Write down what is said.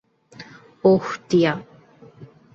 ওহ, টিয়া!